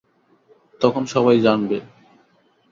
তখন সবাই জানবে।